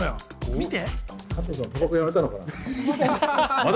見て。